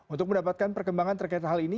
untuk mendapatkan perkembangan terkait hal ini